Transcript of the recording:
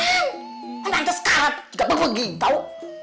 aku nanti sekarang juga pergi tau